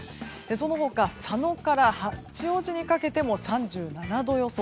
その他、佐野から八王子にかけても３７度予想。